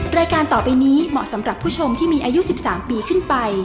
รายการต่อไปนี้เหมาะสำหรับผู้ชมที่มีอายุ๑๓ปีขึ้นไป